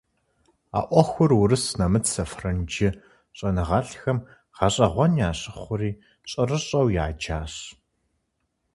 А Ӏуэхур урыс, нэмыцэ, франджы щӀэныгъэлӀхэм гъэщӀэгъуэн ящыхъури, щӀэрыщӀэу яджащ.